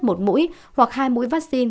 một mũi hoặc hai mũi vaccine